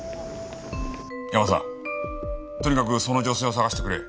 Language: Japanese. ヤマさんとにかくその女性を捜してくれ。